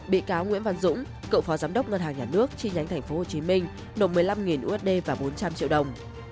bị cáo nguyễn văn dũng cựu phó giám đốc ngân hàng nhà nước chi nhánh tp hcm nộp một mươi năm usd và bốn trăm linh triệu đồng